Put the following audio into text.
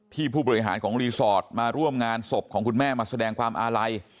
ผู้บริหารของรีสอร์ทมาร่วมงานศพของคุณแม่มาแสดงความอาลัย